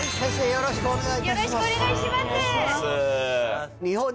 よろしくお願いします。